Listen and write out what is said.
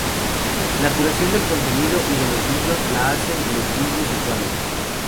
La curación del contenido y de los libros la hacen los mismos usuarios.